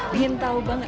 pengen tau banget